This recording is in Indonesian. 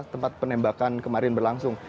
tempat penembakan kemarin berlangsung